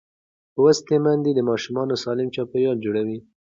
لوستې میندې د ماشوم سالم چاپېریال جوړوي.